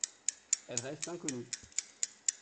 Elle reste inconnue.